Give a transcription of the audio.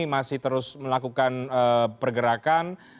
masih terus melakukan pergerakan